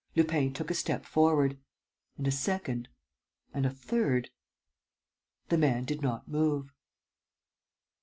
Lupin took a step forward ... and a second ... and a third. ... The man did not move.